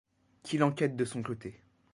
Qu’il enquête de son côté.